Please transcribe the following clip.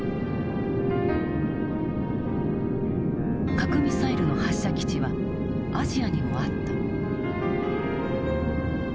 核ミサイルの発射基地はアジアにもあった。